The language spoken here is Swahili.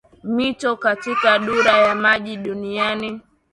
Mito katika dura ya maji duniani